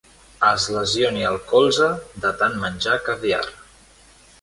Es lesioni el colze de tant menjar caviar.